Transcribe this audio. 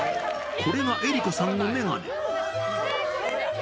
これが江里子さんの眼鏡。